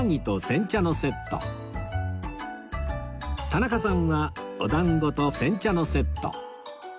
田中さんはおだんごと煎茶のセット